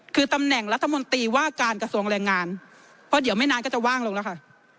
คือตำแหน่งรัฐมนตรีว่าการกระทรวงแรงงานเพราะเดี๋ยวไม่นานก็จะว่างลงแล้วค่ะ